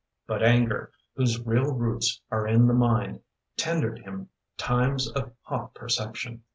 But anger, whose real roots are in the mind. Tendered him times of hot perception.